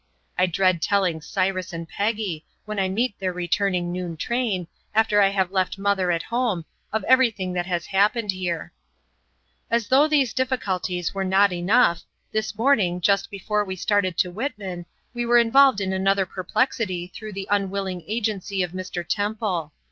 I dread telling Cyrus and Peggy, when I meet their returning noon train, after I have left mother at home, of everything that has happened here. As though these difficulties were not enough, this morning, just before we started to Whitman, we were involved in another perplexity through the unwilling agency of Mr. Temple.